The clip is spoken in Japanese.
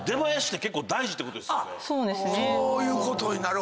そういうことになるわ。